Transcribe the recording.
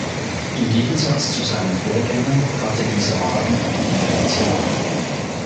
Im Gegensatz zu seinen Vorgängern hatte dieser Wagen ein Differential.